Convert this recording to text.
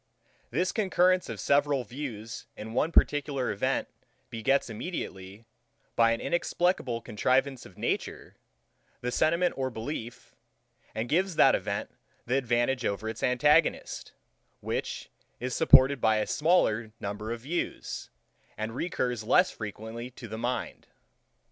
This concurrence of several views in one particular event begets immediately, by an inexplicable contrivance of nature, the sentiment of belief, and gives that event the advantage over its antagonist, which is supported by a smaller number of views, and recurs less frequently to the mind.